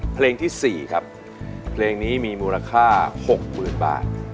เพลงที่๔ครับเพลงนี้มีมูลค่า๖๐๐๐บาท